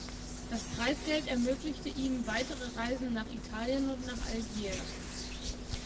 Das Preisgeld ermöglichte ihm weitere Reisen nach Italien und nach Algier.